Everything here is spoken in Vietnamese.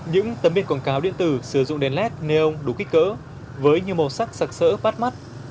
những tấm biển quảng cáo điện tử sử dụng đèn led nêung đủ kích cỡ với nhiều màu sắc sạc sỡ bắt mắt